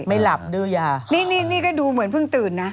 ไม่หลับดื้อยานี่นี่ก็ดูเหมือนเพิ่งตื่นนะ